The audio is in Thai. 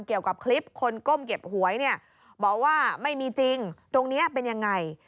เกี่ยวกับคลิปคนก้มเก็บหวยเนี่ยบอกว่าไม่มีจริงตรงนี้เป็นยังไง